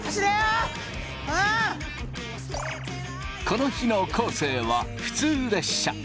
この日の昴生は普通列車。